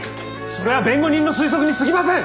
それは弁護人の推測にすぎません！